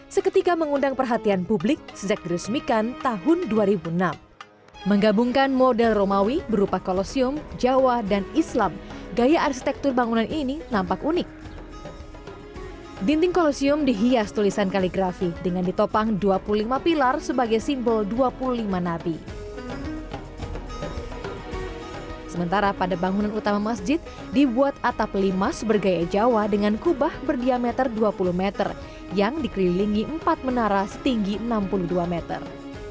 sementara pada bangunan utama masjid dibuat atap limas bergaya jawa dengan kubah berdiameter dua puluh meter yang dikelilingi empat menara setinggi enam puluh dua meter